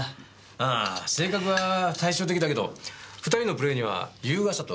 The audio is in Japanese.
ああ性格は対照的だけど２人のプレーには優雅さと気品があったな。